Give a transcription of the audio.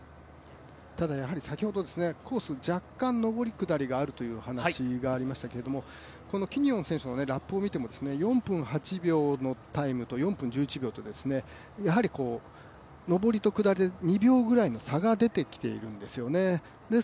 ただ、先ほど、コース、若干上り下りがあると話しましたがキニオン選手のラップを見ても４分８秒のタイムと４分１１秒とか、やはり上りと下りで２秒ぐらいの差が出てきているんですよね。